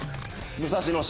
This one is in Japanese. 武蔵野市。